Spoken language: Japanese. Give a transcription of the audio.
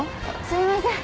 すみません。